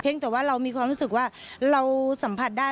แต่ว่าเรามีความรู้สึกว่าเราสัมผัสได้